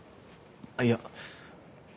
あっいや。